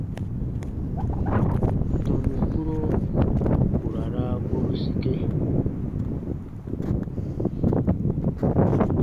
Tɔnu kpuro ku ra raa goru sike.